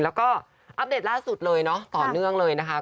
แล้วก็อัปเดตล่าสุดเลยเนาะต่อเนื่องเลยนะคะ